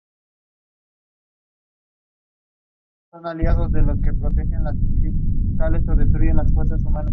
Se trata pues de unas danzas tradicionales.